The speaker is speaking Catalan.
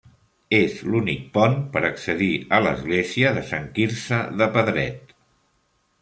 És l'únic pont per accedir a l'església de Sant Quirze de Pedret.